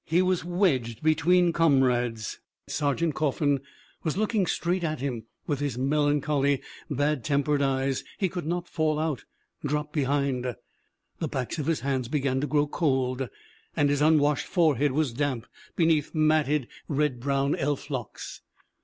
He was wedged between comrades Sergeant Coffin was looking straight at him with his melancholy, bad tem pered eyes he could not fall out, drop behind! The backs of his hands began to grow cold and his un washed forehead was damp beneath matted, red brown elf locks.